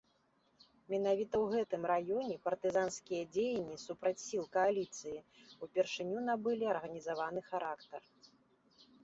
Менавіта ў гэтым раёне партызанскія дзеянні супраць сіл кааліцыі ўпершыню набылі арганізаваны характар.